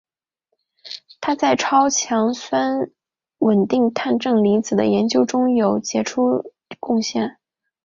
他在超强酸稳定碳正离子的研究中有杰出贡献。